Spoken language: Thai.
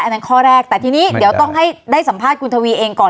อันนั้นข้อแรกแต่ทีนี้เดี๋ยวต้องให้ได้สัมภาษณ์คุณทวีเองก่อน